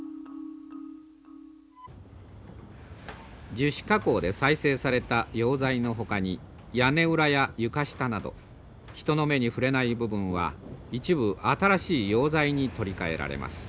樹脂加工で再生された用材のほかに屋根裏や床下など人の目に触れない部分は一部新しい用材に取り替えられます。